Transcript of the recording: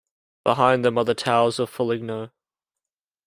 Behind them are the towers of Foligno.